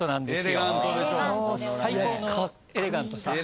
最高のエレガントさ。